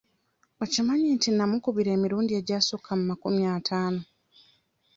Okimanyi nti nnamukubira emirundi egyasukka mu makumi ataano?